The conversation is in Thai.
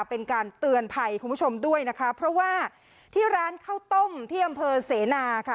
เป็นการเตือนภัยคุณผู้ชมด้วยนะคะเพราะว่าที่ร้านข้าวต้มที่อำเภอเสนาค่ะ